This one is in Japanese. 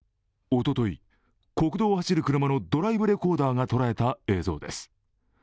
おととい、国道を走る車のドライブレコーダーが捉えた映像です。